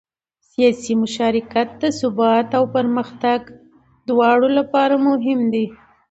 سیاسي مشارکت د ثبات او پرمختګ دواړو لپاره مهم دی